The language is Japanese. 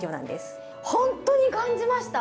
ほんとに感じました！